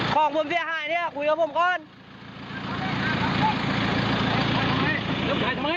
ของพรุ่งเสียหายเนี่ยคุยกับพรุ่งพรุ่ง